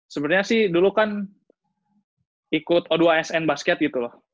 sebenarnya sih dulu kan ikut o dua sn basket gitu loh